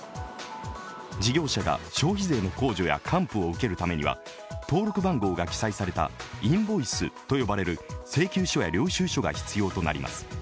事業者が消費税の控除や還付を受けるためには登録番号が記載されたインボイスと呼ばれる請求書や領収書が必要になります。